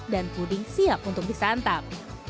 dan puding siap untuk disantap